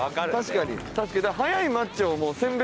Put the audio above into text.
確かに。